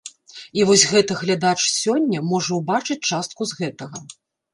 І вось гэта глядач сёння можа ўбачыць частку з гэтага.